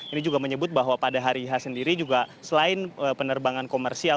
ini juga menyebut bahwa pada hari h sendiri juga selain penerbangan komersial